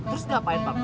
terus ngapain bang